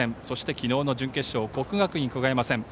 そして、きのうの準決勝国学院久我山戦。